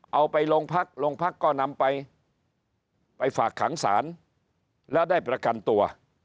เอาไปโรงพักโรงพักก็นำไปไปฝากขังศาลแล้วได้ประกันตัว